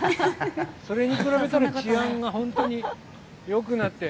それに比べたら治安が本当によくなって。